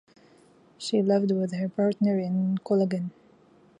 She lived with her partner in Cologne.